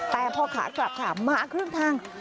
แต่พอขากลับค่ะมาครึ่งทาง